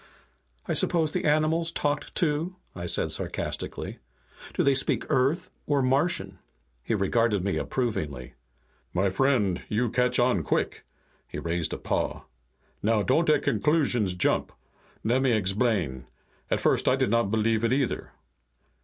"I suppose the animals talked, too?" I said sarcastically. "Do they speak Earth or Martian?" He regarded me approvingly. "My friend, you catch on quick." He raised a paw. "Now, don't at conclusions jump. Let me exblain. At first, I did not believe it either.